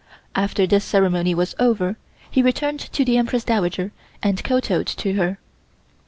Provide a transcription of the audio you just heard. After this ceremony was over he returned to the Empress Dowager and kowtowed to her.